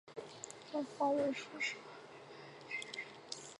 芫花为瑞香科瑞香属下的一个种。